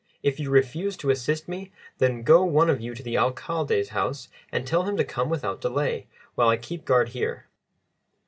If you refuse to assist me, then go one of you to the Alcalde's house and tell him to come without delay, while I keep guard here."